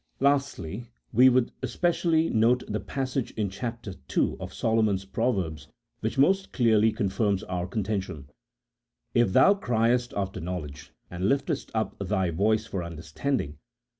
Lastly, we should especially note the passage in chap. ii. of Solomon's proverbs which most clearly confirms our con tention :" If thou criest after knowledge, and liftest up thy voice for understanding